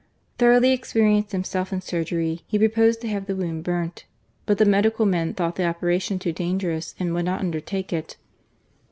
Thoroughly ex perienced himself in surgery, he proposed to have the wound burnt ; but the medical men thought the operation too dangerous and would not undertake it.